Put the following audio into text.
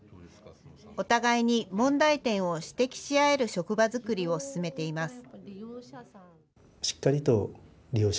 お互いに問題点を指摘し合える職場作りを進めています。